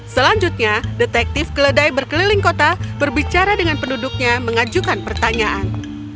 selanjutnya detektif keledai berkeliling kota berbicara dengan penduduknya mengajukan pertanyaan